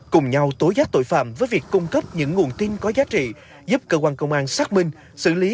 cùng nhau tố giác tội phạm với việc cung cấp những nguồn tin có giá trị giúp cơ quan công an xác minh xử lý